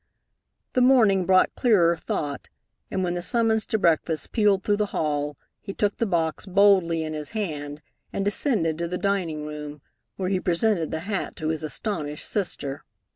The morning brought clearer thought, and when the summons to breakfast pealed through the hall he took the box boldly in his hand and descended to the dining room, where he presented the hat to his astonished sister.